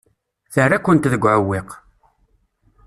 Terra-kent deg uɛewwiq.